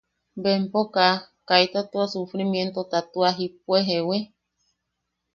Bempo kaa... kaita tua sufrimientota tua jippue. ¿Jeewi?